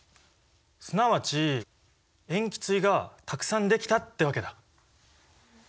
すなわち塩基対がたくさんできたってわけだ。